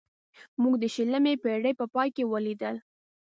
موږ د شلمې پېړۍ په پای کې ولیدل.